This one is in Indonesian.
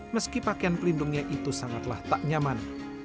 meski pakaian pelindungnya itu sangatlah tak nyaman